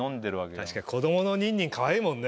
確かに子供のニンニンカワイイもんね。